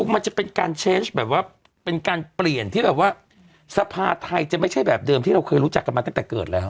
มันจะเป็นการเชสแบบว่าเป็นการเปลี่ยนที่แบบว่าสภาไทยจะไม่ใช่แบบเดิมที่เราเคยรู้จักกันมาตั้งแต่เกิดแล้ว